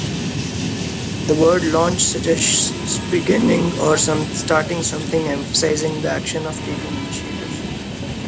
The word "launch" suggests beginning or starting something, emphasizing the action of taking initiative.